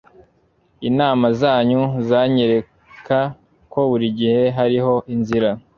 inama zanyu zanyereka ko burigihe hariho inzira